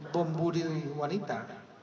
bumbu diri wanita